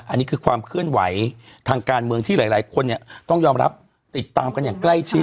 อันนี้คือความเคลื่อนไหวทางการเมืองที่หลายคนเนี่ยต้องยอมรับติดตามกันอย่างใกล้ชิด